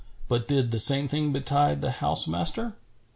But did the same thing betide the house master?"